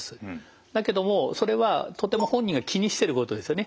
だけどもそれはとても本人が気にしてることですよね。